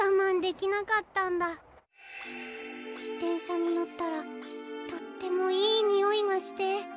でんしゃにのったらとってもいいにおいがして。